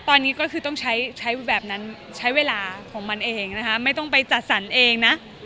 ตอนนี้ก็คือต้องใช้ใช้แบบนั้นใช้เวลาของมันเองนะคะไม่ต้องไปจัดสรรเองนะ